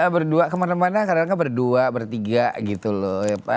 berdua kemana mana kadang kadang berdua bertiga gitu loh